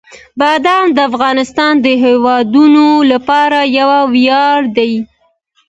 بادام د افغانستان د هیوادوالو لپاره یو ویاړ دی.